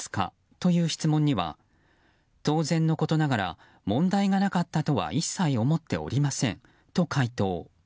という質問には当然のことながら問題がなかったとは一切思っておりませんと回答。